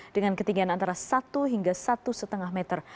dengan ketinggian antara satu hingga satu lima meter